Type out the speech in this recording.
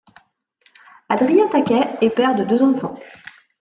Adrien Taquet est père de deux enfants.